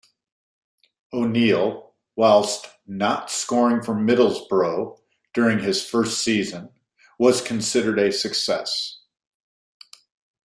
O'Neil, whilst not scoring for Middlesbrough during his first season, was considered a success.